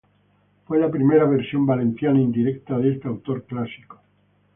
Fue la primera versión valenciana, indirecta, de este autor clásico.